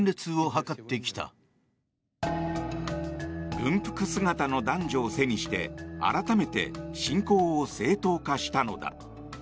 軍服姿の男女を背にして改めて、侵攻を正当化したのだ。